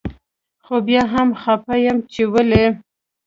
خو بيا هم خپه يم چي ولي